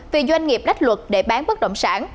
vì doanh nghiệp lách luật để bán bất động sản